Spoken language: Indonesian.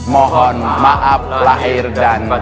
mohon maaf lahir dan